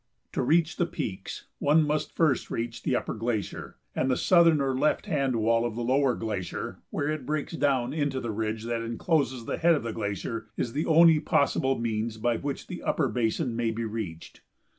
To reach the peaks one must first reach the upper glacier, and the southern or left hand wall of the lower glacier, where it breaks down into the ridge that encloses the head of the glacier, is the only possible means by which the upper basin may be reached.